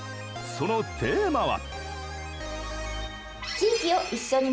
そのテーマは？